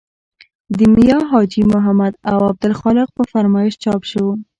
د میا حاجي محمد او عبدالخالق په فرمایش چاپ شو.